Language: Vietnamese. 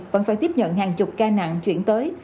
vẫn phải tiếp nhận hàng chục ca nạn chuyển tới